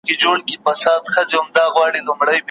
یوازې کره کتونکی استاد ممکن محصل ته بېلابېلې ستونزې جوړې کړي.